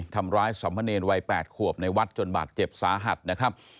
ทำร้ายสัมพเนรวัย๘ขวบในวัดจนบาดเจ็บสาหัสนะครับ